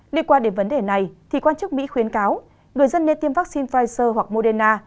liên quan đến vấn đề này thì quan chức mỹ khuyến cáo người dân nên tiêm vaccine pfizer hoặc moderna